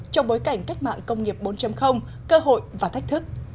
trong bối cảnh cách mạng công nghiệp bốn cơ hội và thách thức